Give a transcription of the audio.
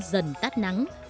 dần tắt nắng